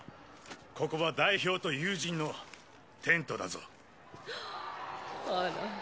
ここヴぁ代表と友人のテントだぞあら